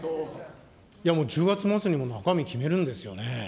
もう１０月末には中身決めるんですよね。